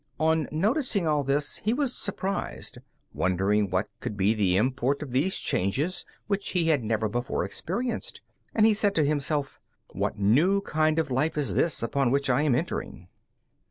On noticing all this, he was surprised, wondering what could be the import of these changes which he had never before experienced, and he said to himself, "What new kind of life is this upon which I am entering?"